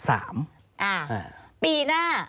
อ่าปีหน้า